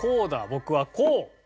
僕はこう！